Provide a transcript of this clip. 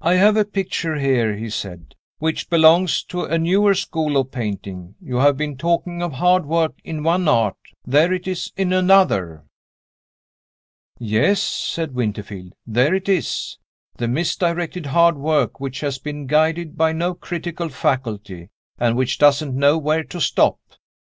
"I have a picture here," he said, "which belongs to a newer school of painting. You have been talking of hard work in one Art; there it is in another." "Yes," said Winterfield, "there it is the misdirected hard work, which has been guided by no critical faculty, and which doesn't know where to stop.